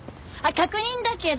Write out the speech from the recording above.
確認だけど。